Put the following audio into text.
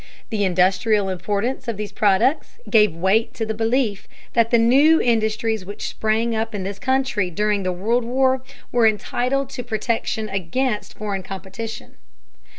The industrial importance of these products gave weight to the belief that the new industries which sprang up in this country during the War were entitled to protection against foreign competition.